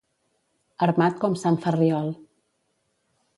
Armat com sant Ferriol.